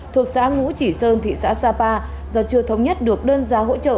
thuộc xã ngũ chỉ sơn thị xã sapa do chưa thống nhất được đơn giá hỗ trợ